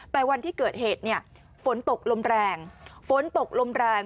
แต่วันที่เกิดเหตุเนี่ยฝนตกลมแรงฝนตกลมแรง